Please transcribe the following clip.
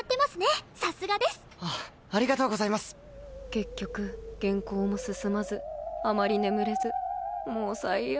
結局原稿も進まずあまり眠れずもう最悪。